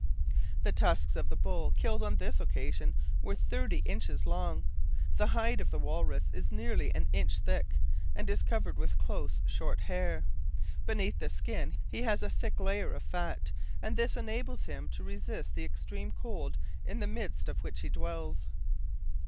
The tusks of the bull killed on this occasion were thirty inches long. The hide of the walrus is nearly an inch thick, and is covered with close, short hair. Beneath the skin he has a thick layer of fat, and this enables him to resist the extreme cold in the midst of which he dwells.